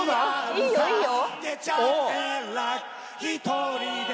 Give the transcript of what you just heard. ・いいよいいよ！